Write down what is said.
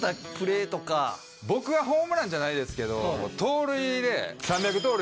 僕はホームランじゃないですけど盗塁で。